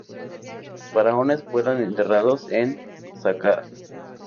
Los faraones fueron enterrados en Saqqara.